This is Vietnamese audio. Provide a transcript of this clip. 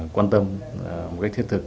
quan tâm một cách thiết thực